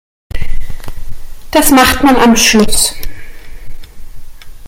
Das macht man am Schluss.